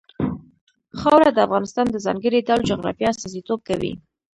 خاوره د افغانستان د ځانګړي ډول جغرافیه استازیتوب کوي.